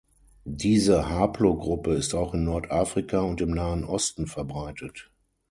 Diese Haplogruppe ist auch in Nordafrika und dem Nahen Osten verbreitet.